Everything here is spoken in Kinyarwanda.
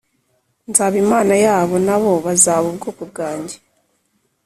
, nzaba Imana yabo nabo bazaba ubwoko bwanjye